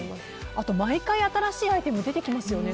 あと毎回新しいアイテムが出てきますね。